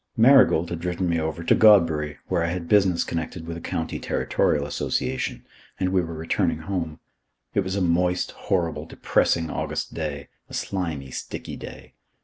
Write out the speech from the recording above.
Marigold had driven me over to Godbury, where I had business connected with a County Territorial Association, and we were returning home. It was a moist, horrible, depressing August day. A slimy, sticky day.